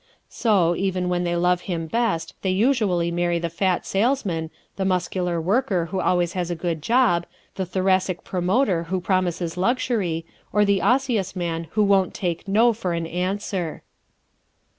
So, even when they love him best they usually marry the fat salesman, the Muscular worker who always has a good job, the Thoracic promoter who promises luxury, or the Osseous man who won't take "No" for an answer.